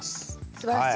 すばらしい。